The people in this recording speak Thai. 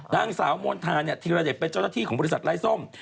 นางสาวมณฑาธิรเดชเป็นเจ้าหน้าที่ของบริษัทไล่ส้ม